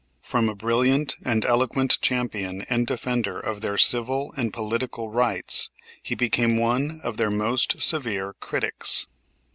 From a brilliant and eloquent champion and defender of their civil and political rights he became one of their most severe critics.